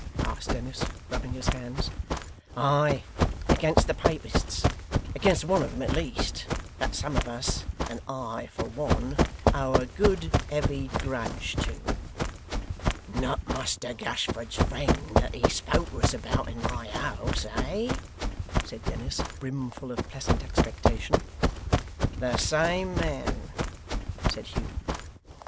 asked Dennis, rubbing his hands. 'Ay, against the Papists against one of 'em at least, that some of us, and I for one, owe a good heavy grudge to.' 'Not Muster Gashford's friend that he spoke to us about in my house, eh?' said Dennis, brimfull of pleasant expectation. 'The same man,' said Hugh.